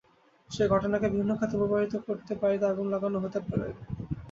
সেই ঘটনাকে ভিন্ন খাতে প্রবাহিত করতেই বাড়িতে আগুন লাগানো হতে পারে।